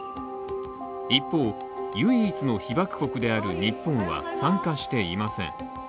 一方、唯一の被爆国である日本は参加していません。